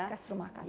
kas rumah kaca